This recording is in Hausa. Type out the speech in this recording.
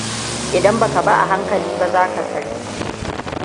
Idan ba ka bi a hankali ba za ka karye.